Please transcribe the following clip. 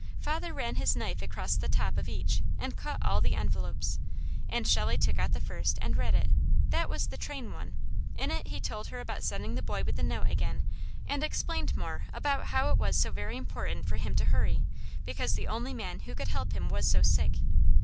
Father ran his knife across the top of each, and cut all the envelopes, and Shelley took out the first and read it; that was the train one. In it he told her about sending the boy with the note again, and explained more about how it was so very important for him to hurry, because the only man who could help him was so sick.